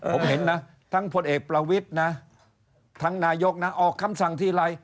ผมเห็นนะทั้งพลเอกประวิทย์นะทั้งนายกนะออกคำสั่งทีไร